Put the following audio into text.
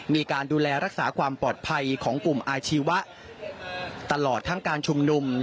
มีการดูแลรักษาความปลอดภัยของกลุ่มอาชีวะตลอดทั้งการชุมนุม